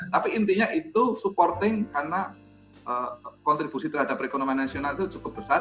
tapi intinya itu supporting karena kontribusi terhadap perekonomian nasional itu cukup besar